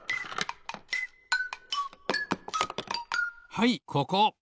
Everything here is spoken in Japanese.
はいここ。